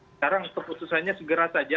sekarang keputusannya segera saja